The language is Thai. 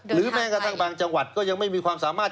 แม้กระทั่งบางจังหวัดก็ยังไม่มีความสามารถ